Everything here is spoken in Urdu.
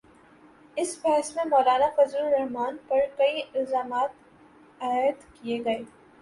اس بحث میں مولانافضل الرحمن پر کئی الزامات عائد کئے گئے،